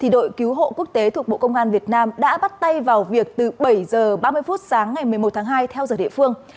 đội cứu hộ quốc tế thuộc bộ công an việt nam đã bắt tay vào việc từ bảy h ba mươi phút sáng ngày một mươi một tháng hai theo giờ địa phương